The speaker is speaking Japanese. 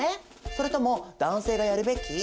それとも男性がやるべき？